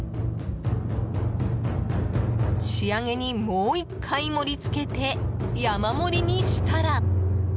仕上げにもう１回、盛り付けて山盛りにしたら。